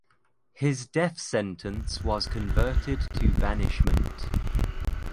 His death sentence was converted to banishment.